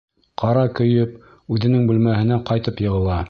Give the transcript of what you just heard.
Ҡара көйөп, үҙенең бүлмәһенә ҡайтып йығыла.